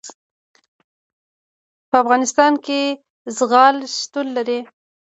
په افغانستان کې زغال شتون لري.